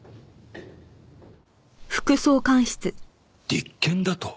立件だと？